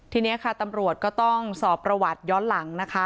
ทีนี้ค่ะตำรวจก็ต้องสอบประวัติย้อนหลังนะคะ